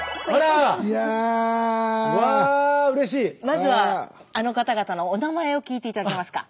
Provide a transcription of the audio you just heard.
まずはあの方々のお名前を聞いて頂けますか。